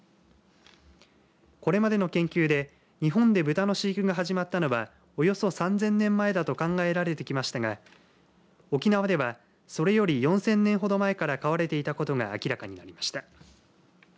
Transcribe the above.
これまでの研究で日本でブタの飼育が始まったのはおよそ３０００年前だと考えられてきましたが沖縄ではそれより４０００年ほど前から飼われていたことが明らかになりました。